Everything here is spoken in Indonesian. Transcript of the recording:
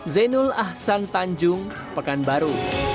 zainul ahsan tanjung pekanbaru